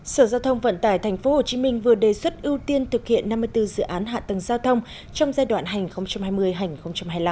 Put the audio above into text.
sở giao thông vận tải tp hcm vừa đề xuất ưu tiên thực hiện năm mươi bốn dự án hạ tầng giao thông trong giai đoạn hành hai mươi hai nghìn hai mươi năm